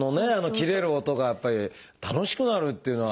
切れる音がやっぱり楽しくなるっていうのは。